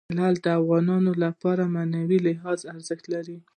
لعل د افغانانو لپاره په معنوي لحاظ ارزښت لري.